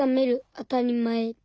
あたりまえ。